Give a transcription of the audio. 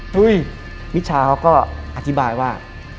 เฮ้ยมิชาเขาก็อธิบายว่า